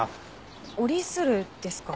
折り鶴ですか？